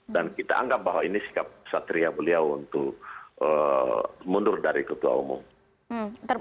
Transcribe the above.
dan kita anggap bahwa ini sikap kesatria beliau untuk mundur dari ketua umum